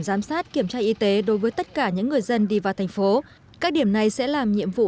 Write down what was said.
giám sát kiểm tra y tế đối với tất cả những người dân đi vào thành phố các điểm này sẽ làm nhiệm vụ